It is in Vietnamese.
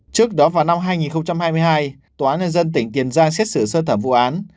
trước đó vào năm hai nghìn hai mươi hai tòa nhân dân tỉnh tiền giang xét xử sơ thẩm vụ án